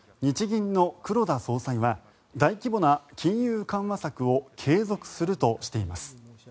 銀の黒田総裁は大規模な金融緩和策を継続するとしています。